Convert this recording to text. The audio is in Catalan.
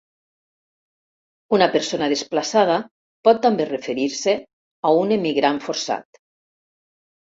Una persona desplaçada pot també referir-se a un emigrant forçat.